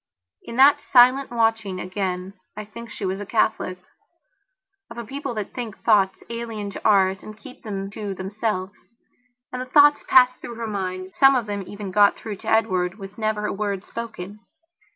In that silent watching, again, I think she was a Catholicof a people that can think thoughts alien to ours and keep them to themselves. And the thoughts passed through her mind; some of them even got through to Edward with never a word spoken.